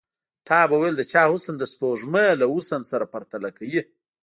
تا به ويل د چا حسن د سپوږمۍ له حسن سره پرتله کوي.